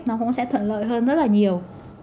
nó cũng sẽ thuận lợi hơn rất là nhiều